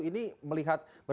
ini melihat berbagai eskalasi